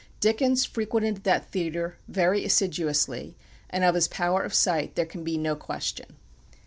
Dickens frequented that theatre very assiduously, and of his power of sight there can be no question.